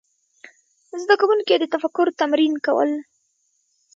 زده کوونکي د تفکر تمرین کول.